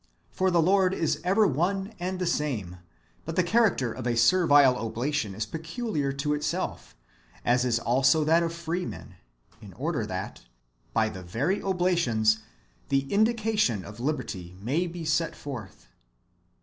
For the Lord is [ever] one and the same ; but the character of a servile oblation is peculiar [to itself], as is also that of freemen, in order that, by the very oblations, the indication of liberty may be set forth.